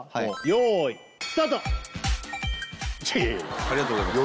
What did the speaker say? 用意ありがとうございます